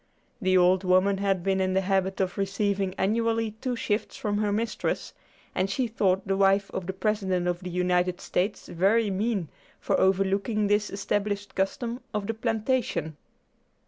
The old woman had been in the habit of receiving annually two shifts from her mistress, and she thought the wife of the President of the United States very mean for overlooking this established custom of the plantation.